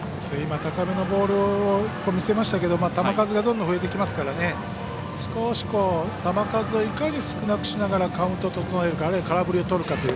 高めのボールを見せましたけど球数がどんどん増えてきますから少し、球数をいかに少なくしながらカウントを整えるかあるいは空振りをとるか。